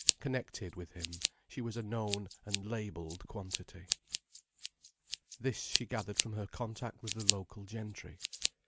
Connected with him, she was a known and labelled quantity. This she gathered from her contact with the local gentry.